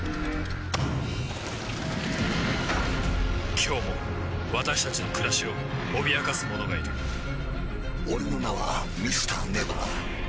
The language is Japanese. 今日も私たちの暮らしを脅かすものがいる俺の名はＭｒ．ＮＥＶＥＲ。